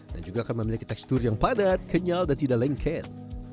dan juga akan memiliki tekstur yang padat kenyal dan tidak lengket